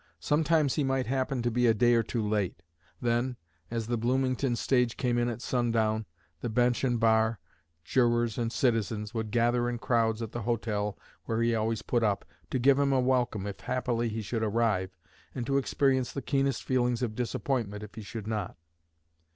Sometimes he might happen to be a day or two late. Then, as the Bloomington stage came in at sundown, the bench and bar, jurors and citizens, would gather in crowds at the hotel where he always put up, to give him a welcome if, happily, he should arrive, and to experience the keenest feelings of disappointment if he should not.